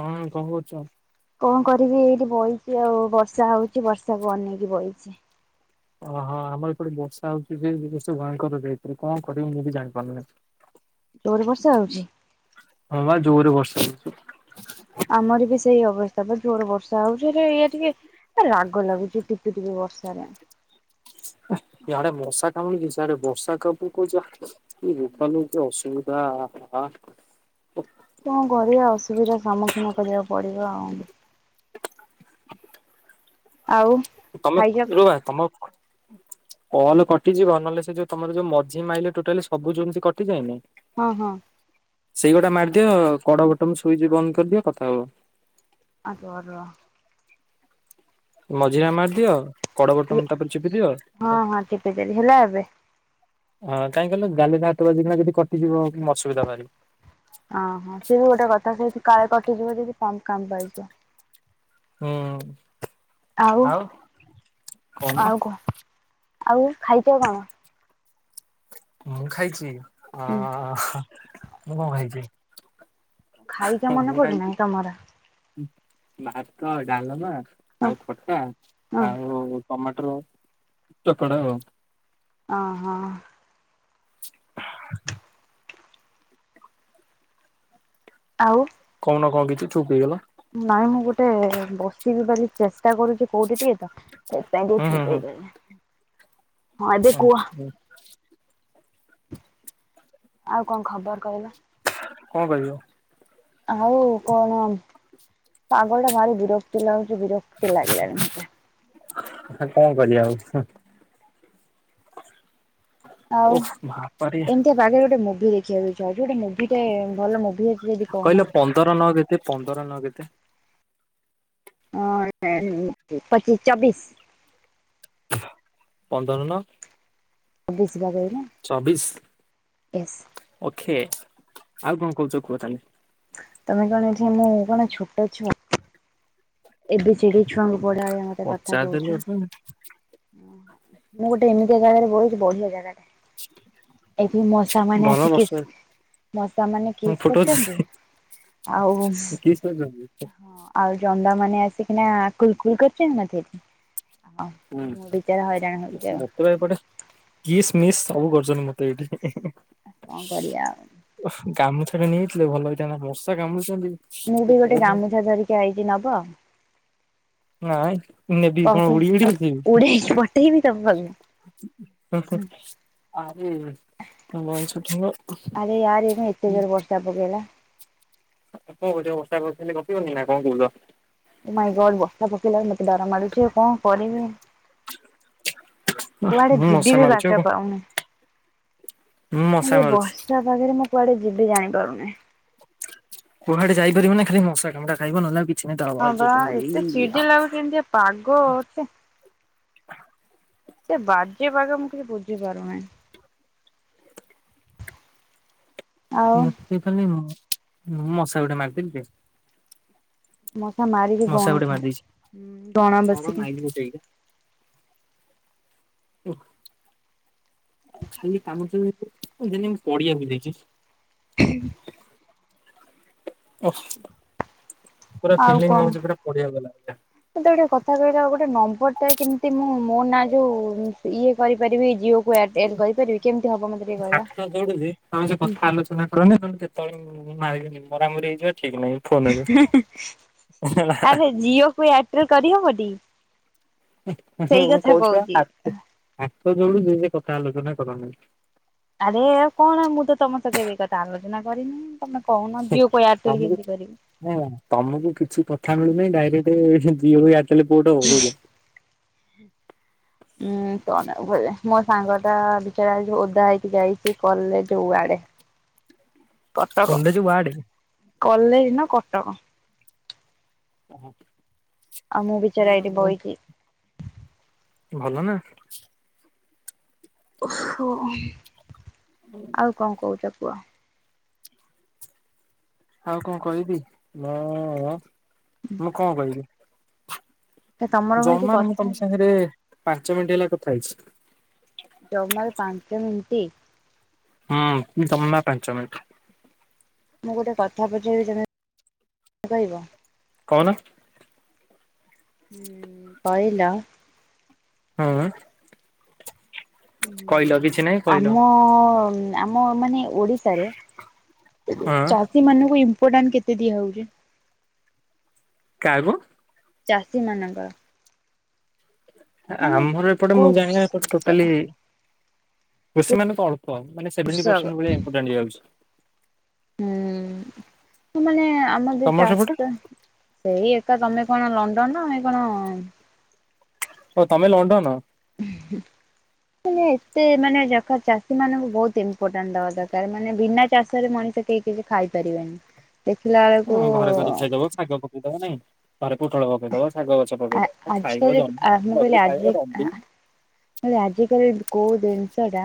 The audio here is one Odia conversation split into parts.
ହଁ। କଣ କରୁଚ? କଣ କରିବି ଏଇଠି ବଇଛି ଆଉ। ବର୍ଷା ହଉଛି ବର୍ଷାକୁ ବନେଇକି ବଇଚି। ଓ ହ। ଆମର ଏପଟେ ବର୍ଷା ହଉଚି ଯେ ସେ ଭୟଙ୍କର ରେଟ ରେ। କଣ କରିବି ମୁଁ ବି ଜାଣିପାରୁନି। ଜୋର ବର୍ଷା ହଉଚି? ହଁ ବା ଜୋରେ ବର୍ ଆମର ବି ସେଇ ଅବସ୍ଥା ବା ଜୋର ବର୍ଷା ହଉଚି। ସେ ଇଏ ଟିକେ ରା ରାଗ ଲାଗୁଚି ଟିପି ଟିପି ବର୍ଷାରେ। ଇଆଡେ ମଶା କାମୁଡୁଚି ସିଆଡେ ବର୍ଷା ପକଉଚି। ଏ ବୋପାଲୋ କି ଅସୁବିଧା ହା କଣ କରିବା ଅସୁବିଧା ସମ୍ମୁଖୀନ କରିବାକୁ ପଡିବ ଆଉ। ଆଉ ତମେ। ଖାଇଛ [unintelligible] କଲ କଟିଯିବ ନହେଲେ ସେ ଯୋଉ ତମର ଯୋଉ ମଝି ମାଇଲେ ଟୋଟାଲି ସବୁ ଯେମିତି କଟିଯାଏନି। ହଁ ହଁ। ସେଇଗୋଟା ମାରିଦିଅ କଡ ବଟମ ସୁଇଚ ବନ୍ଦ କରିଦିଅ କଥା ହୁଅ। [unintelligible] ମଝି ଟା ମାରିଦିଅ। କଡ ବଟନ ତାପରେ ଚିପି ଦିଅ ହଁ ହଁ ଟିପିଦେଲି ହେଲା ଏବେ। କାହିଁ କହିଲ ଗ୍ୟାଲେରୀ ରେ ହାତ ବାଜିିକିନା ଯଦି କଟିଯିବ, କିନ୍ତୁ ଅସୁବିଧା ଭାରି। ଓହୋ ସେ ବି ଗୋଟେ କଥା ସେଠି କାଳେ କଟିଯିବ ଯଦି। [unintelligible] ହଁ। ଆଉ। ଆଉ କଣ? ଆଉ ଖାଇଚ କଣ? ମୁଁ ଖାଇଚି। ଅ ହୁଁ ମୁଁ କଣ ଖାଇଚି? ଖାଇଚ ମନେ ପଡୁନାହିଁ ତମର। ଭାତ, ଡାଲମା ହଁ ଆଉ ଖଟା ହଁ ଆଉ ଟମାଟର ଚକଡ଼ା ଆଉ। ଅ ହଁ। [inaudible] ଆଉ କହୁନ କଣ କିଛି ଚୁପ୍ ହେଇଗଲା। ନାଇଁ ମୁଁ ଗୋଟେ ବସିବି ବୋଲି ଚେଷ୍ଟା କରୁଚି କୋଉଠି ଟିକେ ତ। ହୁଁ ହୁଁ ହୁଁ [unintelligible] ହଁ ଏବେ କୁହ [unintelligible] ଆଉ କଣ ଖବର କହିଲ? କଣ କହିବି ଆଉ। ଆଉ କଣ? ପାଗ ଟା ଭାରି ବିରକ୍ତି ଲାଗୁଛି ବିରକ୍ତି ଲାଗିଲାଣି ମତେ। ଆଉ କଣ କରିବା ଆଉ। ଆଉ ଓଃ ବାପାରେ ଏମିତିଆ ପାଗ ରେ ଗୋଟେ ମୁଭି ଦେଖିବାକୁ ଇଚ୍ଛା ହଉଚି। ଗୋଟେ ମୁଭି ଟେ ଭଲ କହିଲ ପନ୍ଦର ନ କେତେ ପନ୍ଦର ନ କେତେ? ହ ପଚିଶ ଚବିଶ। ପନ୍ଦର ନ ଚବିଶ ବା କହିଲି ଚବିଶ ୟେସ୍ ଓକେ ଆଉ କଣ କହୁଛ କୁହ ତାହେଲେ। ତମେ କଣ ମୁଁ କଣ ଛୋଟ ଛୁଆ? ଏବେ ଛି ଡି ଛୁଆଙ୍କୁ ପଡ ବଳିଆ ମତେ କଥା ପଚାରିଦେଲି କହୁଛ। ଗୋଟେ ମୁଁ ଗୋଟେ ଏମିତିଆ ଜାଗାରେ ବହୁଛି ବଢିଆ ଯାଗାରେ। ଏଠି ମଶା ମାନେ ଭଲ ଆସିକି ବର୍ଷା ମଶା ମାନେ ହଁ କିସ୍ କରଛନ୍ତି। ଫୁଟଉଛି ଆଉ ହ କିସ୍ କରୁଛନ୍ତି ଆଉ ଜ ନ୍ଦା ମାନେ ଆସିକିନା କୁଲକୁଲ କରିଛନ୍ତି ମତେ। ହଁ ହୁଁ ମୁଁ ବିଚାରା ହଇରାଣ ହଉଛି ଆଉ ମତେପଟେ କିସ୍ ମିସ୍ ସବୁ କରୁଛନ ମତେ ଏଇଠି। ଆ କଣ କରିଆ ଆଉ। ଗାମୁଛା ଟା ନେଇଥିଲେ ଭଲ ହେଇଥା ନ୍ତା ମଶା କାମୁଡୁଛନ୍ତି। ମୁଁ ବି ଗୋଟେ ଗାମୁଛା ଧରିକି ଆଇଛି ନବ? ନାଇଁ ମୁଁ ନେବି, କଣ ପଠେ ଉଡି ଉଡି ଆଉଛି? ଉଡେଇକି ପଠେଇବି ତମ ପାଖକୁ। ସେକ [unintelligible] ଆରେ ୟାର ଏବେ ଏତେ ଜୋର ବର୍ଷା [unintelligible] ପକେଇଲା। କଣ କହୁଛ ବର୍ଷା ପଡୁଥିଲେ ଗପିବନି ନା କଣ କହୁଛ? ଓ ମାଇଁ ଗଡ ବର୍ଷା ପକେଇଲାରୁ ମତେ ଡର ମାଡୁଛି ଆଉ କଣ କରିବି। କୁଆଡେ ମୁଁ ଯିବି ମଶା ବି ମାରୁଛି ଆଉ ବାଟ କଣ। ପାଉନି। ମୁଁ ମଶା ମାରୁଛି ବର୍ଷା ପାାଗରେ ମୁଁ କୁଆଡେ ଯିବି ଜାଣିପାରୁନି। କୁହାଡେ ଯାଇପାରିବନି ଖାଲି ମଶା କାମୁଡା ଖାଇବ ନହେଲେ ଆଉ କିଛି ନାହିଁ ତା ହଁ ବଇଁଶ ବା ଠୁଙ୍ଗୁରି ଏତେ ଆ ଚିଡି ଲାଗୁଛି ଏମିତି ଆ ପାଗ- ଛି। ସେ ବାଜେ ପାଗ ମୁଁ କିଛି ବୁଝି ପାରୁନି। ଆଉ ନି ତାହଲେ ମଶା ଗୋଟେ ମାରିଦେଲି ରେ। ମସା ମାରିିକି ଗୁଣୁଥା, ମାରିଦେଇଛି। ହୁଁ ଗଣ ବସିକି। ହୁ,। ଆ ଖାଲି କାମ ଯେ ଦିଦି ମୁଁ ପଡିଆକୁ ଯାଇଛି। ହ [unintelligible] [unintelligible] ଆଉ ଫିଲିଙ୍ଗ କଣ ହଉଛି ପୁରା ପଡିଆକୁ ଗଲା ଭଳିଆ। ମତେ ଗୋଟେକଥା କହିଲ? ନମ୍ବର ଟା କେମିତି ମୁଁ ମୋ ନାଁ ଯୋଉ ଇଏ କରିପାରିବି ଜିଓ କୁ? ଏୟାରଟେଲ କରିପାରିବି କେମିତି ହବ ମତେ ଟିକେ କହିଲ? ହାତଦୋଡୁଛି ତମେ ସେ କଥା ଆଲୋଚନା କରନି ତଣୁ କେତେବେଳେ ମୁଁ ମାରିବିନି ମରାମରି ହେଇଯିବ ହେଲା ଆରେ ଜିଓ କୁ ଏୟାରଟେଲ କରି ହବନି? ମାନେ ମୁଁ କହୁଛି ହାତ ଯୋଡୁଛି କଥା ଆଲୋଚନା କରନି। ଆରେ ଏ କଣ ମୁଁ ତ ତମ ସଙ୍ଗେ ଏ କଥା ଆଲୋଚନା କରିନିଁ। ତମକୁ ତମକୁ କିଛି କଥା ମିଳୁନହିଁ ଡାଇରେକ୍ଟ ସେ ଜିଓ [unintelligible] ଖାଲି ପୁଟ ହବ। ଉଁ କଣ ବୋଲେ ମୋ ସାଙ୍ଗ ଟା ବିଚାର ଯଉ ଓଧା ହେଇକି ଯାଇଛି କଲେଜ୍ ଉଆଡେ। College ward? କଲେଜ ନା କଟକ। [inaudible] ଆଉ ମୁଁ ବିଚରା ଏଇଠି ବଇଛି। ଭଲ ନା। ଓ ହ ଆଉ କଣ କହୁଛ କୁହ? ଆଉ କଣ କହିବି ମୁଁ- ମୁଁ କଣ କହିବି? ଏ ତମର କଣ କିଛି ଜମାରୁ ମୁଁ କଥା ତମ ସାଙ୍ଗରେ ପାଞ୍ଚ ମିନିଟ ହେଲା କଥା ହେଇଛି। ଜମାରୁ ପାଞ୍ଚ ମିନିଟ୍। ହଁ [unintelligible] ନା ପାଞ୍ଚ ମିନିଟ୍। ମୁଁ ଗୋଟେ କଥା ପଚାରିବି ତମେ କହିବ? କହୁନ। କହିଲ। ହଁ। କହିଲ କିଛି ନାହିଁ କହିଲ ଆମ ଆମ ମାନେ ଓଡ଼ିଶାରେ ହଁ। ଚାଷୀ ମାନଙ୍କୁ ଇମ୍ପୋଟାଣ୍ଟ୍ କେତେ ଦିଆ ହଉଛି? କାହାକୁ? ଚାଷୀ ମାନଙ୍କର। ମାନେ ଆମର ଏପଟେ ମୁଁ ଜାଣିବା ଏପଟେ କୋର୍ସ ଟୋଟାଲି କୃଷି ମାନଙ୍କୁ ଅଳ ପ ମାନେ ସେଭେଣ୍ଟୀ କୃଷକ ପର୍ସେଣ୍ଟ୍ ଭଳିଆ ଇମ୍ପୋଟାଣ୍ଟ୍ ଦିଆ ଯାଉଛି। ହୁଁ ତୁ ମାନେ ଆମ ଯେ ତମର ସେପଟେ ଚାଷ ସେଇ ଏ ତ ତମେ କଣ ଲଣ୍ଡନର ଆମେ କଣ ଓ ତମେ ଲଣ୍ଡନ। ହୁଁ। ମାନେ ଏତେ ମାନେ [unintelligible] ଚାଷୀ ମାନଙ୍କୁ ବହୁତ୍ ଇମ୍ପୋର୍ଟାଣ୍ଟ୍ ଦବା ଦରକାର ମାନେ ବିନା ଚାଷରେ ମଣି କେହି କିଛି ଖାଇପାରିବେନି। ଦେଖିଲା ବେଳକୁ ହୁଁ ଘରେ କରି ଖାଇଦବ ଶାଗ ପକେଇଦବ ନାଇଁ। ଘରେ ପୋଟଳ ପକେଇଦବ, ଶାଗ ଗଛ ଆ ପକେଇଦବ, ଖାଇବ ଆଜିକାଲି ଜମେଇ ଖାଇବ [unintelligible] ହେଲା ଆଜିକାଲି କୋଉ ଜିନିଷଟା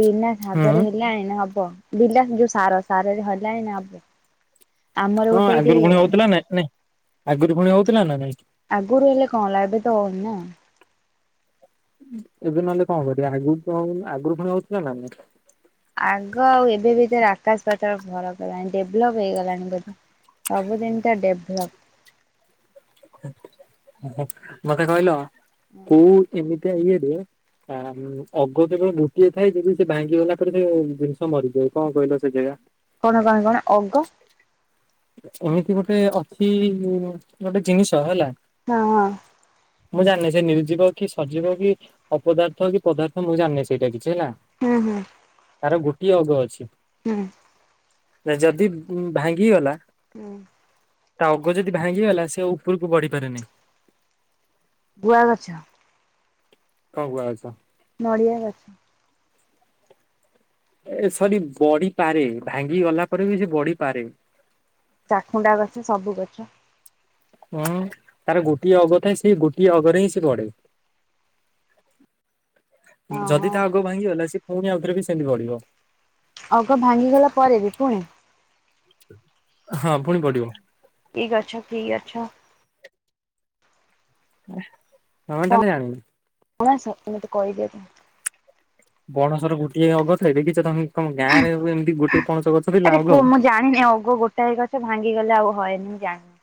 ବିନା ଶାଗରେ ହୁଁ ହେଲାଣି ନା ହବ। ହବ ବିଲ ଯୋଉ ସାର ସାରରେ ହେଲାଣି ନା ହବ? ଆମର ହୁଁ ଗୋଟେ ଏଠି ଆଗରୁ ଫୁଣି ହଉଥିଲା ନା ନାଇଁ ନାଇଁ ଆଗରୁ ଫୁଣି ହଉଥିଲା ନା ନାଇଁ। ଆଗରୁ ହେଲେ କଣ ହେଲା ଏବେ ତ ହଉନି ନା ଏବେ ନହେଲେ କଣ କରିବା ଆଗରୁ ତ ଆଗରୁ ଫୁଣି ହଉଥିଲା ନା ନାଇଁ? ଆଗ ଆଉ ଏବେ ଭିତରେ ଆକାଶ ପାତାଳ ଫରକ ହେଲାଣି ଡେଭଲପ୍ ହେଇଗଲାଣି ଏବେ। ସବୁଦିନ୍ ଟା ଡେଭଲପ୍। ମତେ କହିଲ କୋଉ ଏମିତିଆ ଇଏରେ ଆ ଅଗ କେବଳ ଗୋଟିଏ ଥାଏ ଯଦି ସେ ଭାଙ୍ଗିଗଲା ପରେ ସେ ଜିନିଷ ମରିଯାଏ କଣ କହିଲ ସେ ଜାଗା? କଣ କଣ କଣ ଅଗ? ଏମିତି ଗୋଟେ ଅଛି ଗୋଟେ ଜିନିଷ ହେଲା। ହଁ। ମୁଁ ଜାଣିନି ସେ ନିର୍ଜୀବ କି ସଜୀବ କି ଅପଦାର୍ଥ କି ପଦାର୍ଥ ମୁଁ ଜାଣିନି ସେଇଟା କିଛି ହେଲା। ହୁଁ ହୁଁ। ତାର ଗୋଟିଏ ଅଗ ଅଛି। ହୁଁ। ନା ଯଦି ଭାଙ୍ଗି ଗଲା ହୁଁ। ତା ଅଗ ଯଦି ଭାଙ୍ଗିଗଲା ସେ ଉପରକୁ ବଢ଼ି ପାରେନି। ଗୁଆ ଗଛ। ହଁ ଗୁଆ ଗଛ। ନଡ଼ିଆ ଗଛ। ଏ ସରି ବଢ଼ିପାରେ ଭାଙ୍ଗି ଗଲା ପରେ ବି ସେ ବଢ଼ିପାରେ। ଚାଖୁଣ୍ଡା ଗଛ, ସବୁ ଗଛ। ହୁଁ ତାର ଗୋଟିଏ ଅଗ ଥାଏ ସେ ଗୋଟିଏ ଅଗରେ ହିଁ ସେ ବଢ଼େ। ଓହୋ ଯଦି ତା ଆଗ ଭାଙ୍ଗିଗଲା ସିଏ ପୁଣି ଆଉଥରେ ବି ସେମିତି ବଢ଼ିବ। ଅଗ ଭାଙ୍ଗିଗଲା ପରେ ବି ଫୁଣି? ହଁ ଫୁଣି ବଢ଼ିବ। କି ଗଛ କି ଗଛ? ହଁ, ତାହେଲେ ଜାଣିନୁ? କଣସେ କହିଦେତ। ବଣସର ଗୋଟିଏ ଅଗ ଥାଏ, ଦେଖିଛ ତମେ? ତମ ଗାଁରେ ଏମିତି ଗୋଟେ ପଣସ ଗଛ ଥିଲା ଆରେ କୁହ ଅଗ। ମୁଁ ଜାଣିନି ଅଗ ଗୋଟାଏ ଗଛ ଭାଙ୍ଗିଗଲେ ଆଉ ହଏନି ମୁଁ ଜାଣିନି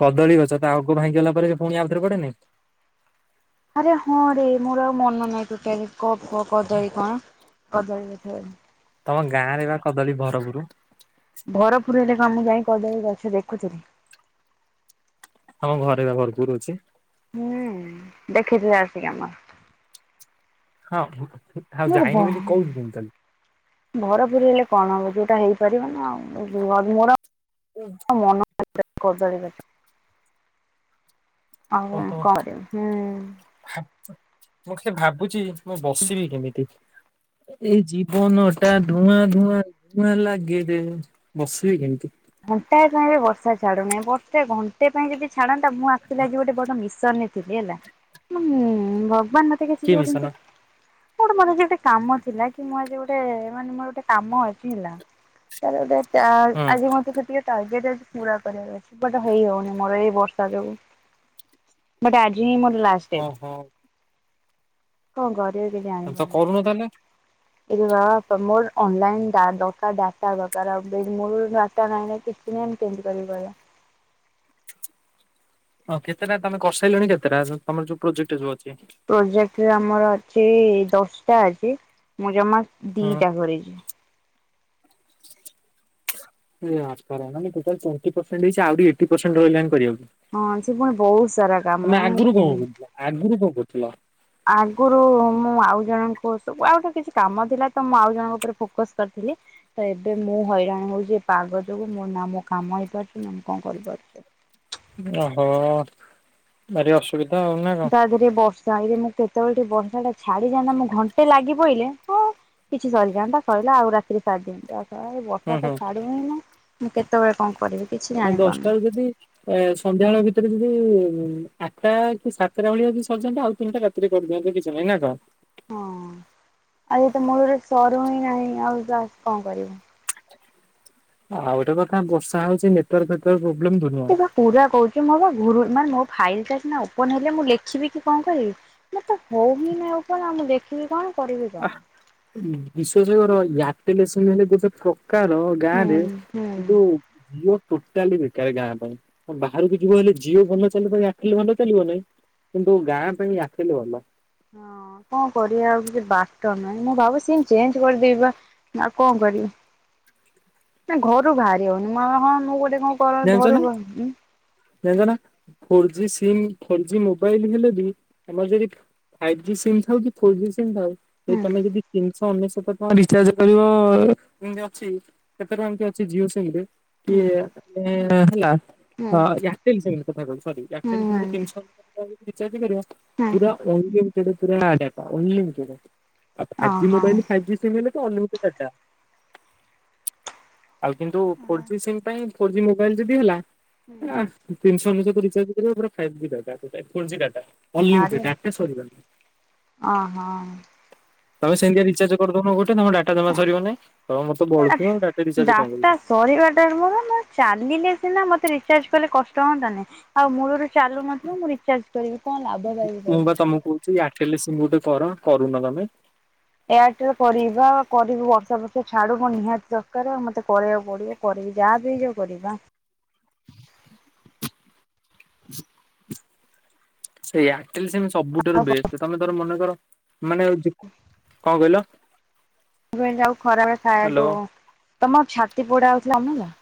କଦଳୀ ଗଛ। ତା ଆଗ ଭାଙ୍ଗି ଗଲା ପରେ ସେ ପୁଣି ଆଉଥରେ ବଢେନି? ଆରେ ହଁ ରେ ମୋର ଆଉ ମନ ନାହିଁ। ତୁ କ- କ- କଦଳୀ କଣ? କଦଳୀ ଗଛ। ତମ ଗାଁରେ ବା କଦଳୀ ଭରପୁର। ଭରପୁର ହେଲେ କଣ ମୁଁ ଯାଇ କଦଳୀ ଗଛ ଦେଖୁଥିଲି? ତମ ଘରେ ପା ଭରପୁର ଅଛି। ଦେଖିଥିଲ ଆସିକି ଆମର। ହଁ ହଁ। ଯୋଉଟା ଭରପୁର ହେଲେ କଣ ହବ? ଯୋଉଟା ହେଇପାରିବ ନା ଆଉ ହ ମୋ ହୁଁ। କଦଳୀ ଗଛ। ହଉ ଓହୋ କିବ ହୁଁ ମୁଁ ସେ ଭାବୁଛି ମୁଁ ବସିବି କେମିତି? ଏଇ ଜୀବନ ଟା ଧୂଆଁ ଧୂଆଁ ଧୂଆଁ ଲାଗେ ଯେ ବସିବି କେମିତି? ଘଣ୍ଟାଏ ପାଇଁ ବି ବର୍ଷା ଛାଡୁ ନାହିଁ ବର୍ଷେ ଘଣ୍ଟେ ପାଇଁ ଯଦି ଛାଡନ୍ତା ମୁଁ ଆଖୁଥିଲା ଆ ଗୋଟେ ବଡ ମିଶନ ଥିଲା ହଁ ଭଗବାନ ମତେ କି କିଏ ମୋ ଗୋଟେ ମିଶନ ମାନେ ଗୋଟେ କାମ ଥିଲା କି ମୁଁ ଆଜି ଗୋଟେ ମାନେ ମୋର ଗୋଟେ କାମ ଅଛି ହେଲା ତାର ଗୋଟେ ଆ ହଁ ଆଜି ମ ଟାର୍ଗେଟ ପୁରା କର ଅଛି ଗୋଟେ ହେଇ ହଉନି ମୋର ଏଇ ବର୍ଷା ଯୋଗୁ ବ ଆଜି ହିଁ ମୋର ଡେଟ ଓହୋ। କଣ ସେ କି ତ ଯାଣିପାରୁନି। କରୁନ ତାହେଲେ ଏ ବା ମୋର ଅନଲାଇନ ଦରକାଊ ଡାଟ ଦରକାର ମୂଳରୁ ଡାଟା ନାଇଁ କି? କେମିତି କରିବି କହିଲ? ହଁ କେତେଟା ତମେ କସାଇଲଣି କେତଟା ତମର ଯୋଉ ପ୍ରୋଜେକ୍ଟ? ଯୋଉ ଅଛି ପ୍ରଜେକ୍ଟରେ ଆମର ଅଛି ଦଶଟା ଅଛି ମୁଁ ଜମା ହଁ। ଦିଟା କରିଚି। ଆହୁ ଏଟ ରହିଲା କରିବାକୁ। ତମେ ଆଗରୁ ହଁ ସେ ପୁଣି କଣ ବହୁତ ସାରା କରୁଥିଲ କାମ ମୁଁ କେମି ଆଗରୁ କଣ କରୁଥିଲ? ଆଗରୁ ମୁଁ ଆଉ ଜଣଙ୍କୁ ସବୁ ଆଉ ଗୋଟେ କିଛି କାମ ଥିଲା ତ ମୁଁ ଆଉ ଜଣଙ୍କ ଉପରେ ଫୋକସ କରିଥିଲି। ତ ଏବେ ମୁଁ ହଇରାଣ ହଉଛି ଏ ପାଗ ଯୋଗୁ ମୋ ନା ମୋ କାମ ହେଇପାରୁଛି ନା ମୁଁ କଣ କରିପାରୁଛି? [inaudible] ଓହୋ ଭାରି ଅସୁବିଧା ଆଉ ନା କଣ? ତ ମୁଁ କେତେବେଳେ ଟ ବଂସା ଟା ଛାଡିଯା ଘଣ୍ଟେ ଲାଗି ପଇଲେ କିଛି ସରିଯାଆନ୍ତା ସରିଲା ଆଉ ରାତିରେ ସାରି ଦିଅନ୍ତା ଆଉ ବର୍ଷା ହୁଁ ତ ହୁଁ। ଛାଡୁ ହିଁ ନା ମୁଁ କେତେବେଳେ କଣ କରିବି? କିଛି ଆ ଜାଣିପାରୁନି ଦଶଟା ରୁ ଯଦି ଏ ସନ୍ଧ୍ୟା ବଳ ଭିତରେ ଯଦି ହୁଁ ଆଠଟା କି ସାତଟା ଭଳିଆ ଯଜିି ସରିଯାନ୍ତତା ଆଉ ତିନିଟା ରାତିରେ କରିଦିଅନ୍ତି କିଛି ନାହିଁ ନା କଣ? ହଁ ଆ ତ ମୂଳରେ ସରୁ ହିଁ ନାହିଁ ଆଉ କଣ କରିବୁ। ଆଉ ଗୋଟେ କଥା ବର୍ଷା ହଉଚଛି ନେତର ଫେତର ସେ ବା ପୁରା କହୁଛି ମୋ ବା ଘୁରୁ ମାନେ ମୋ ଫାଇଲ ଟା ନା ଓପନ ହେଲେ ମୁଁ ଲେଖିବି କି କଣ କରିବି ମତ ତ ହଉ ହି ନା ମୁଁ କି କଣ କରିବି କଣ? ବିଶ୍ୱସରଟେ ଆଟେନ୍ସଂ ହେଲେ ଗୋ ସକାର ଗାଁ ହୁଁ ରେ ହୁଁ। ଯୁ ଯ ଟୋଟାଲି ବେକାର ଗାଁ ପାଇଁ ଆ ବାହାରକୁ ଯିବ ହେଲେ ଝିଅ ଭଲ ଚାଲିବ ଆଖଲେ ଭଲ ଚାଲିବ ନାଇ କିନ୍ତୁ ଗାଁ ପାଇଁ ଆସିଲେ ଭଲ। ହଁ କଣ କରିବା ଆଉ କିଛି ବାଟ ନାହିଁ। ମୁଁ ଭାବୁଚି ସିମ୍ ଚେଞ୍ଜ୍ କରିଦେବି ବା ଆଉ କଣ କରିବି। ନାଇଁ ଘରୁ ଭାଆରି ହଉନି ମ ହଁ ମୁଁ ଗୋଟେ କଣ କର ଘରୁ ବା ଉଁ ଜାଣିଚ ନା four G SIM four G mobile ହେଲେ ବି ଆମର ଯଦି ଫାଇଭ୍ ଜି ସିମ୍ ଥାଉ କି ଫୋର ଜି ସିମ୍ ଥାଉ ହୁଁ ତମେ ଯଦି ତ ଅନେଶତ ଟଙ୍କା ରିଚାର୍ଜ ରେ ପଡ଼ିବ ଅଛି କେତେ ଟଙ୍କା ଏମତି ଅଛି ଜିଓ ସିମ୍ ରେ। କି ହୁଁ ଏଇୟା ମାନେ ହେଲା ହୁଁ ଅ ୟାକଟିଙ୍ଗ ଶୁଣିଲି କଥା କହନି ସରି ହୁଁ ୟାକଟିଙ୍ଗ ଶୁଣିଲି ତିନିଶହ ରିଚାର୍ଜେ କରିବ ପୁରା ଅନଲିମିଟେଡ ପୁରା ଯାକ ଅନଲିମିଟେଡ୍। ଆଉ ହଁ ଫାଇଭ୍ ଜି ହଁ। ମୋବାଇଲ ଫାଇଭ୍ ଜି ସିମ୍ ହେଲେ ତ ଅନଲିମି ଆଉ କିନ୍ତୁ ଫୋର୍ ଜି ସିମ୍ ପାଇଁ ଫୋର୍ ଜି ମୋବାଇଲ ଯଦି ହେଲା ଆ ତିନିଶହ ଭିତରୁ [unintelligible] ରିଚାର୍ଜ କରିବ ପୁରା five G [unintelligible] four G data ବାହାରେ ଅନଲିମିଟେଡ ଡାଟା ସରିବନି। ଅଁ ହଁ। ତମେ ସେମିତିଆ ରିଚାର୍ଜ କରିଦଉନ ଗୋ କେ ତମର ଡାଟା ଜମା ସରିବନାଇ ତମର ତ ବଳୁଥବ ଆଉ ଡାଟା ଆରେ ରିଚାର୍ଜ କଁ କରିବ? ଡାଟା ସରିବାଟା ମୋର ମୁଁ ଚାଲିଲେ ସିନା ମତେ ରିଚାର୍ଜ କଲେ କଷ୍ଟ ହୁଅନ୍ତା ନାହି ଆଉ ମୂଳୁରୁ ଚାଲୁନଥିବ ମୁଁ ରିଚାର୍ଜ କରିବି କଣ ଲାଭଥାଇକି କହିଲ। ସେଇ ଆଠେଲି ସିମ ଗୋଟେ କର, କରୁନ ତମେ। ସମସ୍ତେ ଛାଡ଼ୁମ ନିହାତି ଦରକାର ଆଉ ମୋତେ କରେଇବାକୁ ପଡ଼ିବ କରିବି ଯାହା ବି ହେଇଯାଉ କରିବି ବା। ସେଇ ୟାରଟେଲ୍ ସେମିତି ଆଉ ସବୁଠାରୁ ବେଷ୍ଟ ତମେ ଧର ମନେକର ମାନେ ଅଉଚି କଁ କହିଲ? ସେଥିପାଇଁ ଯାହଉ ଖରାବେଳେ ଖାଇଆକୁ ହ୍ୟାଲୋ। ତମ ଛାତି ପୋଡା ହଉଥିଲା ଅମଲ।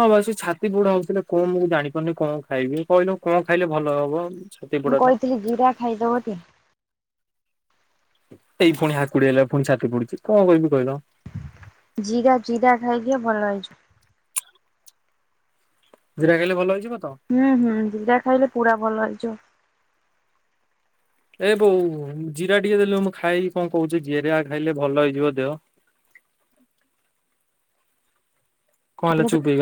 ହଁ ଭାଇ ସେ ଛାତି ପୁଡା ହଉଥିଲେ କଣ ମୁଁ ଜାଣିପାରୁନି କଣ ଖାଇବି କହିଲ କଣ ଖାଇଲେ ଭଲ ହବ? ଛାତି ମୁଁ ପୋଡା ଟା କହିଥିଲି ଜିରା ଖାଇଦବ ଟି। ଏଇ ଫୁଣି ହାକୁଡି ହେଲା ଫୁଣି ଛାତି ପୁଡୁଛି କଣ କହିବି କହିଲ? ଜିରା ଜିରା ଖାଇଦିଅ ଭଲ ହେଇଯିବ। ଜିରା ଖାଇଲେ ଭଲ ହେଇଯିବ। ତ? ହୁଁ ହୁଁ ଜିରା ଖାଇଲେ ପୁରା ଭଲ ହେଇଯିବ। ଏ ବୋଉ ଜିରା ଟିକେ ଦେଲୁ ମୁଁ ଖାଇ କଣ କହୁଚି ଜିରା ଖାଇଲେ ଭଲ ହେଇଯିବ ଦେହ। କଣ ହେଲା? ଚୁପ୍ ହେଇଗ